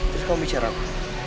terus kamu bicara apa